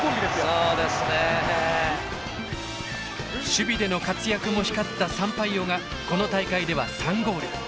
守備での活躍も光ったサンパイオがこの大会では３ゴール。